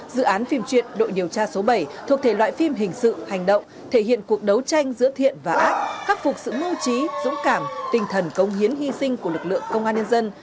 dự án phim truyện đội điều tra số bảy thuộc thể loại phim hình sự hành động thể hiện cuộc đấu tranh giữa thiện và ác khắc phục sự mưu trí dũng cảm tinh thần công hiến hy sinh của lực lượng công an nhân dân